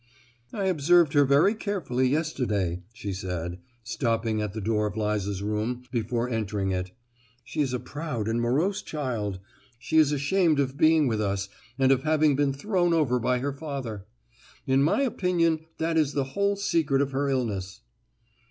"I observed her very carefully yesterday," she said, stopping at the door of Liza's room before entering it. "She is a proud and morose child. She is ashamed of being with us, and of having been thrown over by her father. In my opinion that is the whole secret of her illness."